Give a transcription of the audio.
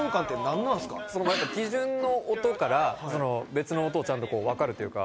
基準の音から別の音がちゃんと分かる。